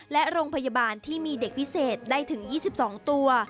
และโรงพยาบาลที่มีเด็กพิเศษได้ถึง๒๒ตัว